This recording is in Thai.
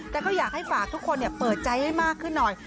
แต่ก็อยากให้ฝากทุกคนเปิดใจให้มากขึ้นหน่อย